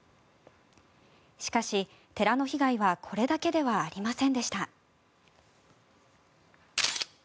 しかし、寺の被害はこれだけではありませんでした。